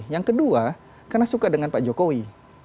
yang kedua karena suka dengan pak jokowi